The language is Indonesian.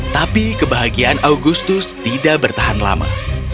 tapi kebahagiaan augustus tidak bertahan lama